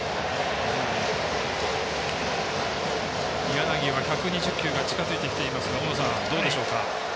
柳は１２０球が近づいてきていますが大野さん、どうでしょうか？